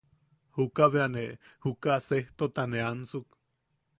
Juka bea... ne juka sejtota ne ansuk.